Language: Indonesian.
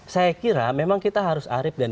saya kira memang kita harus arif dan